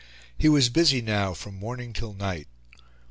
He was busy now from morning till night.